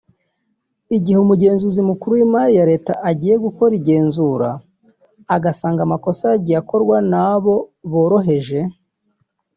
igihe umugenzuzi mukuru w’imari ya Leta agiye gukora igenzura agasanga amakosa yagiye akorwa n’abo boroheje